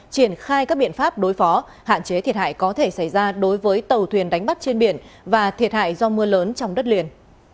triển khai các biện pháp đối phó hạn chế thiệt hại có thể xảy ra đối với tàu thuyền đánh bắt trên biển và thiệt hại do mưa lớn trong đất liền